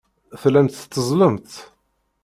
Tellamt tetteẓẓlemt.